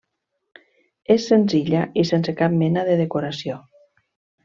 És senzilla i sense cap mena de decoració.